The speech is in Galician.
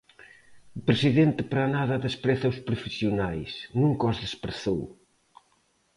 O presidente para nada despreza os profesionais, nunca os desprezou.